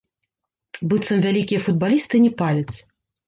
Быццам вялікія футбалісты не паляць.